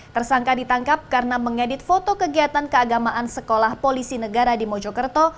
tersangka ditangkap karena mengedit foto kegiatan keagamaan sekolah polisi negara di mojokerto